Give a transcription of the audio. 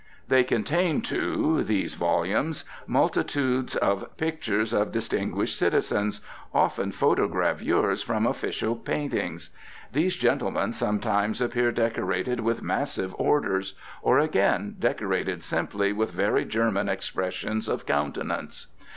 They contain, too, these volumes, multitudes of pictures of distinguished citizens, often photogravures from official paintings; these gentlemen sometimes appear decorated with massive orders, or again decorated simply with very German expressions of countenance.